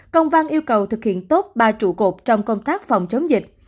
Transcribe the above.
công văn yêu cầu thực hiện tốt ba trụ cột trong công tác phòng chống dịch